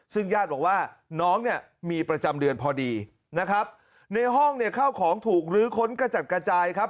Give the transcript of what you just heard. ซึ่งญาติบอกว่าน้องเนี่ยมีประจำเดือนพอดีนะครับในห้องเนี่ยเข้าของถูกลื้อค้นกระจัดกระจายครับ